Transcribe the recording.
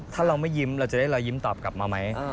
ถ้าเราไม่ยิ้มเราจะได้รอยยิ้มตอบกลับมาไหม